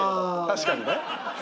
確かにね。